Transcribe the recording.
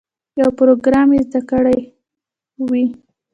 یو پروګرام یې زده کړی وي.